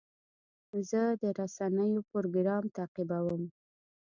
زه د رسنیو پروګرام تعقیبوم.